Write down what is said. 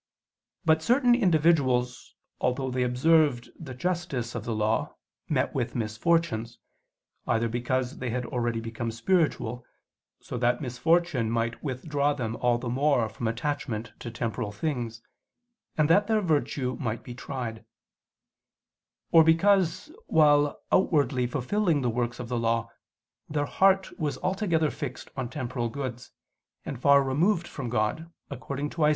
But certain individuals, although they observed the justice of the Law, met with misfortunes either because they had already become spiritual (so that misfortune might withdraw them all the more from attachment to temporal things, and that their virtue might be tried) or because, while outwardly fulfilling the works of the Law, their heart was altogether fixed on temporal goods, and far removed from God, according to Isa.